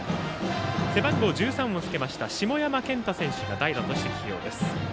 背番号１３をつけました下山健太選手が代打で起用です。